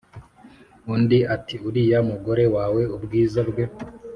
undi ati"uriya mugore wawe ubwiza bwe